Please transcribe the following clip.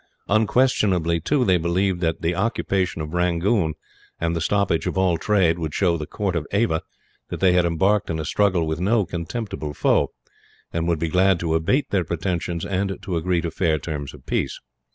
Unquestionably, too, they believed that the occupation of Rangoon, and the stoppage of all trade, would show the court of Ava that they had embarked in a struggle with no contemptible foe; and would be glad to abate their pretensions, and to agree to fair terms of peace.